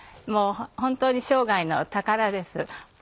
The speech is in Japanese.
もう本当に生涯の宝です。